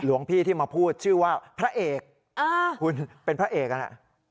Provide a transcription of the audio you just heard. หลวงพี่ที่มาพูดชื่อว่าพระเอกคุณเป็นพระเอกนั่นแหละ